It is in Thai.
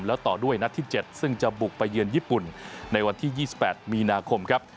แล้วต่อด้วยนัดที่๗ซึ่งจะบุกไปเยือนญี่ปุ่นในวันที่๒๘มีนาคมครับ